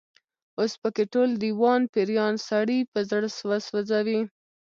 اوس په کې ټول، دېوان پيریان، سړی په زړه وسوځي